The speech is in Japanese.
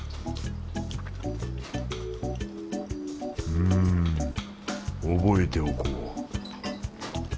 うん覚えておこう